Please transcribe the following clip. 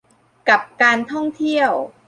กับการท่องเที่ยว